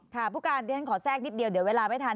ผู้การเรียนขอแทรกนิดเดียวเดี๋ยวเวลาไม่ทัน